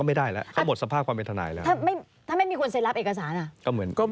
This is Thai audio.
ก็ไม่ได้แล้วเขาหมดสภาพความเป็นธนายแล้ว